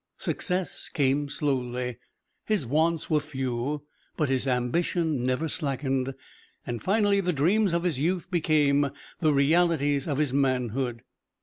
Success came slowly; his wants were few, but his ambition never slackened, and finally the dreams of his youth became the realities of his manhood.